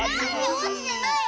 おちてないよ！